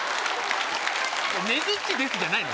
「ねづっちです」じゃないの？